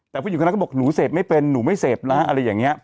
แต่ผู้หญิงคนนั้นก็บอกหนูเสพไม่เป็นหนูไม่เสพนะอะไรอย่างนี้